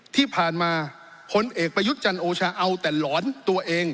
ที่ผ่านมาพลเอกประยุทธ์จันทร์โอชาเอาแต่หลอนตัวเอง